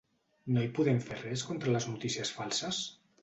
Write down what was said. No hi podem fer res contra les notícies falses?